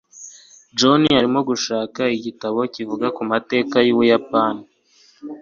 John arimo gushaka igitabo kivuga ku mateka y'Ubuyapani.